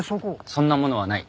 そんなものはない。